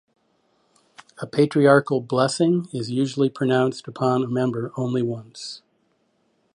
A patriarchal blessing is usually pronounced upon a member only once.